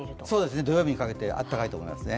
土曜日にかけて暖かいと思いますね。